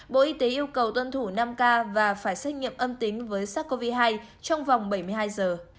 bộ y tế yêu cầu tuân thủ năm k và phải xét nghiệm âm tính với sars cov hai trong vòng bảy mươi hai giờ